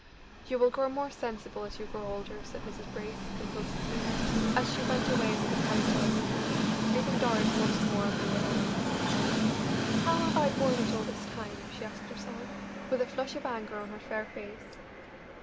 "You will grow more sensible as you grow older," said Mrs. Brace, composedly, as she went away with the calico in her hand, leaving Doris once more alone. "How have I borne it all this time?" she asked herself, with a flush of anger on her fair face.